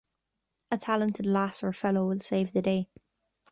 A talented lass or fellow will save the day.